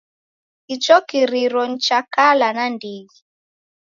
Icho kiria ni cha kala nandighi.